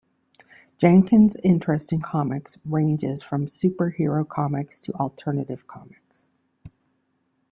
Jenkins' interest in comics ranges from superhero comics to alternative comics.